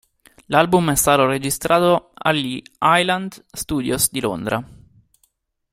L'album è stato registrato agli Island Studios di Londra.